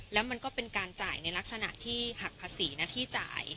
แล้วมันก็เป็นการจ่ายในลักษณะที่หักภาษีหน้าที่จ่าย